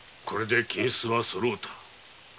これで金子はそろうた。